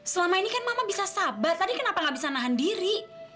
selama ini kan mama bisa sabar tadi kenapa gak bisa nahan diri